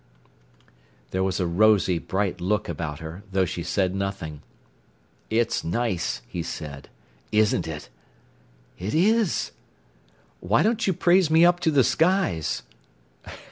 There was a rosy, bright look about her, though she said nothing. "It's nice," he said, "isn't it?" "It is." "Why don't you praise me up to the skies?"